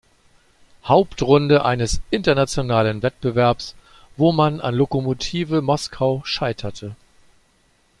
Hauptrunde eines internationalen Wettbewerbs, wo man an Lokomotive Moskau scheiterte.